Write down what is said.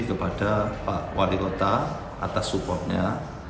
kepada pak wali kota atas supportnya